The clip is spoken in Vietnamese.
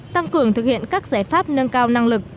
tăng cường thực hiện các giải pháp nâng cao năng lực